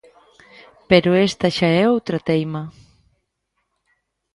Pero esta xa é outra teima.